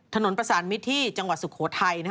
ถนนประสานมิตรที่จังหวัดสุโขทัย